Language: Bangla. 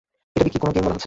এটাকে কি কোন গেম মনে হচ্ছে?